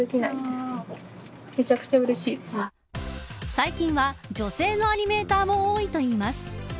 最近は女性のアニメーターも多いといいます。